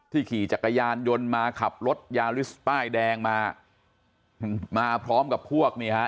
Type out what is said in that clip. ที่ขี่จักรยานยนมาขับรถยาริสใต้แดงมามาพร้อมกับพวกเนี่ยค่ะ